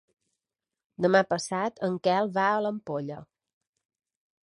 Demà passat en Quel va a l'Ampolla.